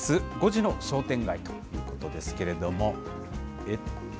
５時の商店街ということですけれども。